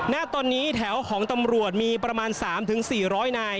ณตอนนี้แถวของตำรวจมีประมาณ๓๔๐๐นาย